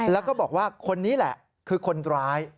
แล้วก็บอกว่าคนนี้แหละคือคนร้าย